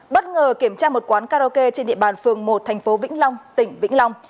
bất ngờ kiểm tra một quán karaoke trên địa bàn phường một thành phố vĩnh long tỉnh vĩnh long